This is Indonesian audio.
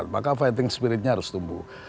maka fighting spiritnya harus tumbuh